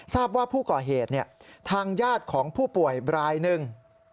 ทราบว่าผู้ก่อเหตุทางญาติของผู้ป่วยรายหนึ่ง